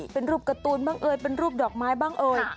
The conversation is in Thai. เป็นรูปการ์ตูนบ้างเอ่ยเป็นรูปดอกไม้บ้างเอ่ย